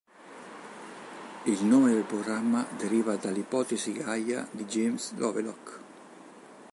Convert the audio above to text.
Il nome del programma deriva dall'ipotesi Gaia di James Lovelock.